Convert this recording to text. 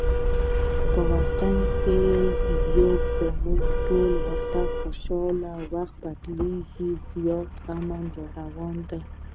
په وطن کې یو موږ ټول ورته خوشحاله، وخت بدلیږي زیاتي امن راروان دي